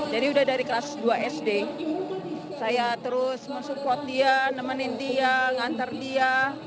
jadi udah dari kelas dua sd saya terus mensupport dia nemenin dia ngantar dia